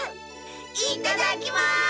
いただきます！